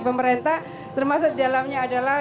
pemerintah termasuk dalamnya adalah